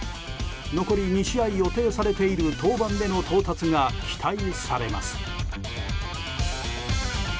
残り２試合予定されている登板での到達が期待されます。